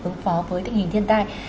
ứng phó với tình hình thiên tai